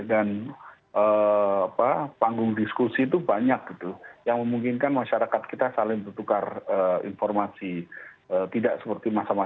ya yang boleh dilupakan adalah masyarakat kita semakin kerdas gitu ya